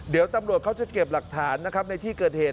เดี๋ยวตำรวจเขาจะเก็บหลักฐานนะครับในที่เกิดเหตุ